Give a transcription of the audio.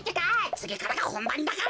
つぎからがほんばんだから！